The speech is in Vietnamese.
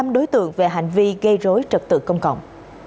năm đối tượng về hành vi gây rối trật tự công cộng